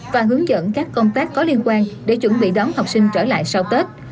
và hướng dẫn các công tác có liên quan để chuẩn bị đón học sinh trở lại sau tết